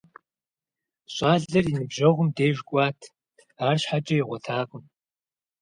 ЩӀалэр и ныбжьэгъум деж кӀуат, арщхьэкӀэ игъуэтакъым.